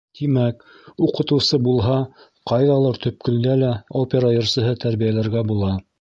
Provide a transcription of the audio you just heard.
Тимәк, уҡытыусы булһа, ҡайҙалыр төпкөлдә лә опера йырсыһы тәрбиәләргә була.